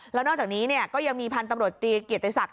แล้วนอกจากนี้ก็ยังมีพันธุ์ตำรวจตรีเกียรติศักดิ